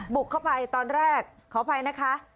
บุ๊กเข้าไปตอนแรกเข้าไปนะคะ